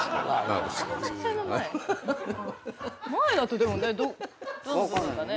前だとでもねどの部分かね。